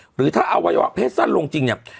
หรือถ้าอวัยวะเพศสั้นลงจริงเนี่ย